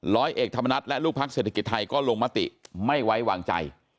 ร้อยเอกธรรมนัฏและลูกพักเศรษฐกิจไทยก็ลงมติไม่ไว้วางใจ